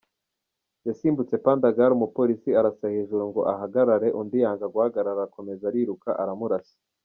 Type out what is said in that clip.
Yasimbutse pandagari, umupolisi arasa hejuru ngo ahagarare undi yanga guhagarara arakomeza ariruka, aramurasa.”